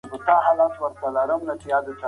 هیڅوک بشپړ اتل نه جوړوي.